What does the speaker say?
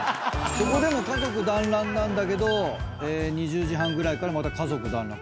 そこでも家族だんらんなんだけど２０時半ぐらいからまた家族だんらん。